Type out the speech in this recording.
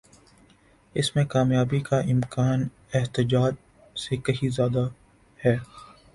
اس میں کامیابی کا امکان احتجاج سے کہیں زیادہ ہے۔